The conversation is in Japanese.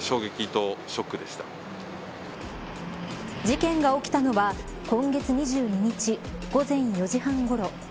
事件が起きたのは今月２２日、午前４時半ごろ。